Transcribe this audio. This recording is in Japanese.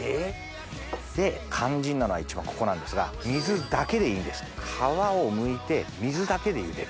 で肝心なのは一番ここなんですが水だけでいいんです皮をむいて水だけで茹でる。